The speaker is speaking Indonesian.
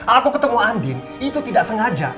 aku ketemu andin itu tidak sengaja